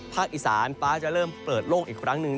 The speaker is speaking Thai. อีสานฟ้าจะเริ่มเปิดโล่งอีกครั้งหนึ่ง